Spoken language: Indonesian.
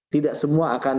tidak semua akan